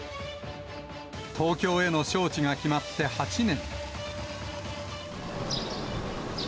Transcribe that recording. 東京への招致が決まって８年。